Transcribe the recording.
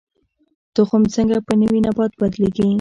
تخم څنګه په نوي نبات بدلیږي؟